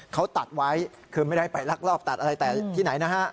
เขาตัดไว้คือไม่ได้ไปลักลอบตัดอะไรแต่ที่ไหนนะฮะ